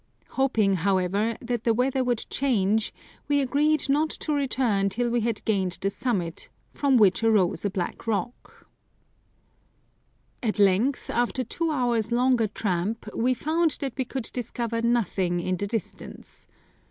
Hoping, however, that the weather would change, we agreed not to return till we had gained the summit, from which arose a black rock. Q 225 Curiosities of Olden Times " At length, after two hours' longer tramp, we jbund that we could discover nothing in the distance.